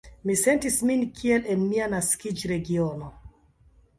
Mi sentis min kiel en mia naskiĝregiono.